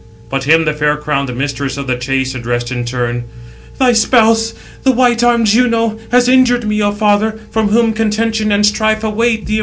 But him the fair crowned mistress of the chase 690 addressed in turn: "Thy spouse, the white armed Juno, has injured me, O father, from whom contention and strife await 691 the immortals."